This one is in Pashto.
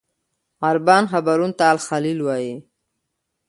عربان حبرون ته الخلیل وایي.